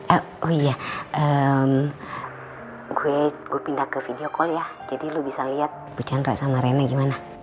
eh oh iya gue pindah ke video call ya jadi lu bisa lihat ku chandra sama rena gimana